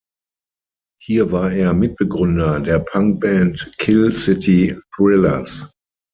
Hier war er Mitbegründer der Punk-Band "Kill City Thrillers".